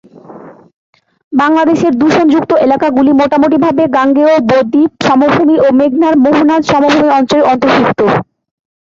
বাংলাদেশের দূষণযুক্ত এলাকাগুলি মোটামুটিভাবে গাঙ্গেয় বদ্বীপ সমভূমি ও মেঘনার মোহনাজ সমভূমি অঞ্চলের অন্তর্ভুক্ত।